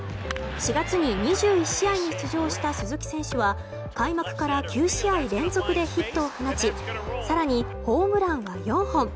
４月に２１試合に出場した鈴木選手は開幕から９試合連続でヒットを放ち更にホームランが４本。